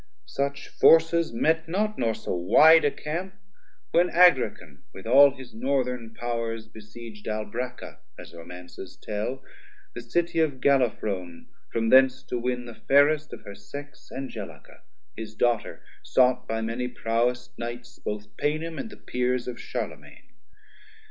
Such forces met not, nor so wide a camp, When Agrican with all his Northern powers Besieg'd Albracca, as Romances tell; The City of Gallaphrone, from thence to win 340 The fairest of her Sex Angelica His daughter, sought by many Prowest Knights, Both Paynim, and the Peers of Charlemane.